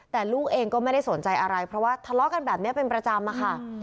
แต่ลูกเองก็ไม่ได้สนใจอะไรเพราะว่าทะเลาะกันแบบนี้เป็นประจำอะค่ะ